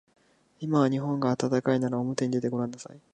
今は日本が暖かいからおもてに出てごらんなさい。